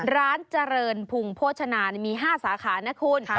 ร้านเจริญพุงโภชนามี๕สาขานะคุณ